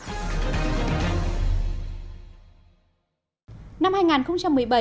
năm phát triển đột phá trên mọi lĩnh vực năm hai nghìn một mươi bảy nghệ an xác định là năm phát triển đột phá trên mọi lĩnh vực